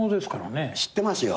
知ってますよ